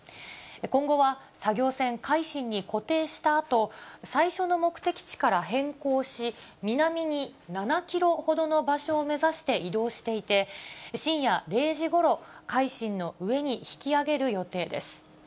今後は作業船、海進に固定したあと、最初の目的地から変更し、南に７キロほどの場所を目指して移動していて、深夜０時ごろ、海進の上に引き揚げる予定です。